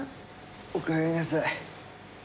おかえりなさい。